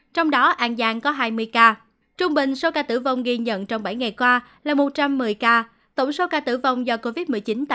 trong đó an giang có hai mươi ca trung bình số ca tử vong ghi nhận trong bảy ngày qua là một trăm một mươi ca tổng số ca tử vong do covid một mươi chín tại